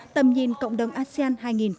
tầm nhìn cộng đồng asean hai nghìn hai mươi năm